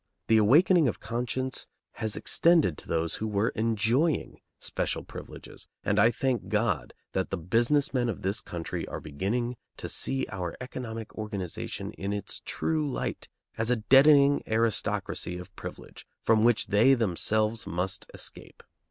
The awakening of conscience has extended to those who were enjoying special privileges, and I thank God that the business men of this country are beginning to see our economic organization in its true light, as a deadening aristocracy of privilege from which they themselves must escape.